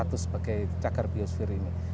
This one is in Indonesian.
untuk membuatnya terlihat seperti cagar biosfir ini